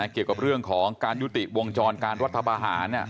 เกี่ยวกับเรื่องของการยุติวงจรการรัฐบาหาร